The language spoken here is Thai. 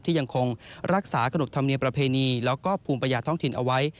ยังคงรักษาขนบธรรมเนียมประเพณีแล้วก็ภูมิปัญญาท้องถิ่นเอาไว้